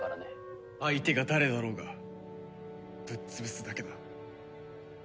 相手が誰だろうがぶっ潰すだけだ。